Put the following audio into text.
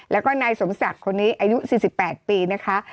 แล้วก็นายสมศักดิ์คนนี้อายุ๔๘ปีนะคะ